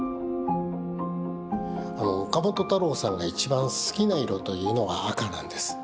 岡本太郎さんが一番好きな色というのが赤なんです。